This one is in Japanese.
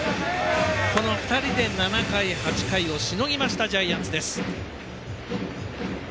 この２人で７回、８回をしのぎました、ジャイアンツです。